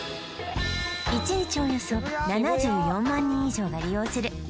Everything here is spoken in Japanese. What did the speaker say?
１日およそ７４万人以上が利用する